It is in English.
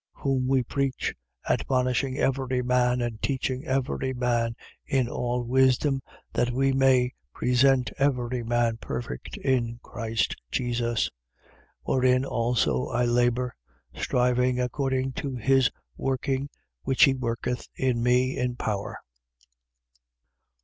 1:28. Whom we preach, admonishing every man and teaching every man in all wisdom, that we may present every man perfect in Christ Jesus. 1:29. Wherein also I labour, striving according to his working which he worketh in me in power.